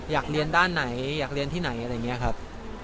อยากเรียนด้านไหนอยากเรียนที่ไหนอะไรอย่างนี้ครับ